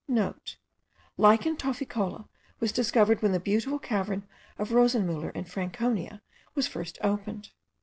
*(* Lichen tophicola was discovered when the beautiful cavern of Rosenmuller in Franconia was first opened.